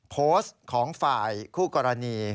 โพสต์ของฝ่ายคู่กรณี